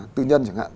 tư nhân chẳng hạn